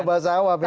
ke bahasa awam ya